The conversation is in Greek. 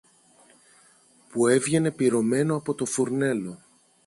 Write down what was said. που έβγαινε πυρωμένο από το φουρνέλο.